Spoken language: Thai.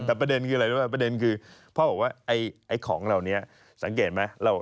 แต่ประเด็นคืออะไรรู้ป่ะประเด็นคือพ่อบอกว่าไอ้ของเหล่านี้สังเกตไหม